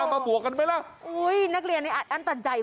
บอกว่าไงเด็กสมัยนี้ใจร้อนเหรอ